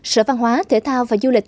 sở văn hóa thể thao và du lịch